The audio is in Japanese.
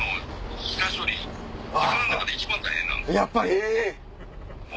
やっぱり！